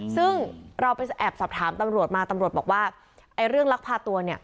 ซึ่งเราไปแอบสอบถามตำรวจมาตำรวจบอกว่าไอ้เรื่องลักพาตัวเนี่ย